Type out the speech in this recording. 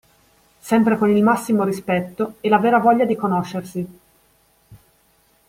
Sempre con il massimo rispetto e la vera voglia di conoscersi.